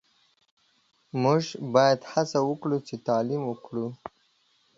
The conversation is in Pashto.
موژ باید هڅه وکړو چی تعلیم وکړو